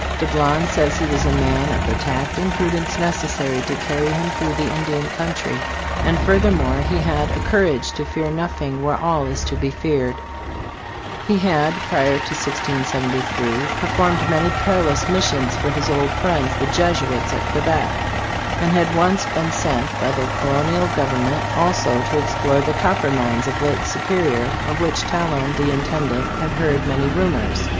Dablon says he was a man of the tact and pru dence necessary to carry him through the Indian country ; and furthermore he had "a courage to fear nothing where all is to be feared." He had, prior to 1673, performed many perilous missions for his old friends, the Jesuits at Quebec, and had once been sent by the Colonial gov *SHEA : "Discovery and Exploration of the Mississippi Valley." THE DISCOVERERS. ernment also to explore the copper mines of Lake Superior, of which Talon, the intendant, had h^ard many rumors.